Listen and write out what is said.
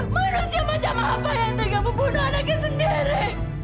manusia macam apa yang tegak membunuh anaknya sendiri